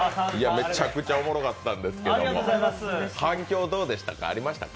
めちゃくちゃおもろかったんですけども反響ありましたか？